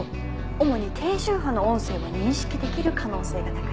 主に低周波の音声を認識できる可能性が高い。